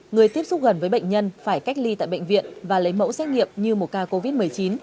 người tiếp xúc gần với bệnh nhân phải cách ly tại bệnh viện và lấy mẫu xét nghiệm như một ca covid một mươi chín